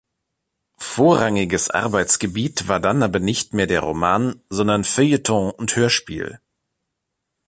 Vorrangiges Arbeitsgebiet war dann aber nicht mehr der Roman, sondern Feuilleton und Hörspiel.